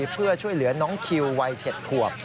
เพื่อช่วยเหลือน้องคิววัย๗ขวบ